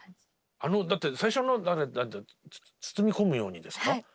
あのだって最初の「つつみ込むように」ですか？